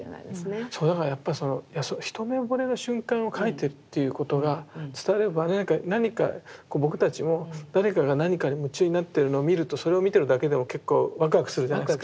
そうだからやっぱりその一目ぼれの瞬間を描いてるっていうことが伝われば何か僕たちも誰かが何かに夢中になってるのを見るとそれを見てるだけでも結構わくわくするじゃないですか。